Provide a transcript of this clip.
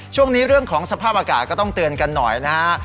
ช่วงนี้เรื่องของสภาพอากาศก็ต้องเตือนกันหน่อยนะฮะ